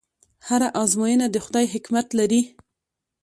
هره ازموینه د خدای حکمت لري.